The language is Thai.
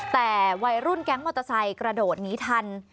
แต่วัยรุ่นแก๊งมอเตอร์ไซค์กระโดดหนีทัน